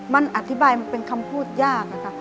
มันอธิบายมันเป็นคำพูดยากอะค่ะ